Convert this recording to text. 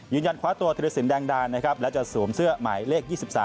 ยืนยันคว้าตัวธิรสินแดงดาลและจะสวมเสื้อหมายเลข๒๓